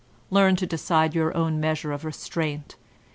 Learn to decide your own measure of restraint.